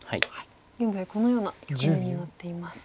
現在このような局面になっています。